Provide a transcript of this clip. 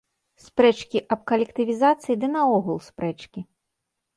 Спрэчкі аб калектывізацыі ды наогул спрэчкі.